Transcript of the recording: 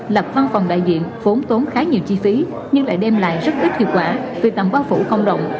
lập văn phòng đại diện vốn tốn khá nhiều chi phí nhưng lại đem lại rất ít hiệu quả vì tầm bao phủ không rộng